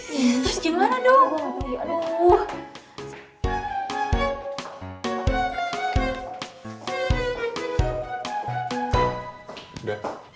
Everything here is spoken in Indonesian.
terus gimana dong